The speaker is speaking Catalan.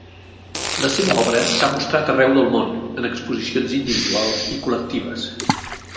La seva obra s'ha mostrat arreu del món, en exposicions individuals i col·lectives.